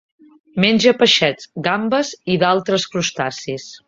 Menja peixets, gambes i d'altres crustacis.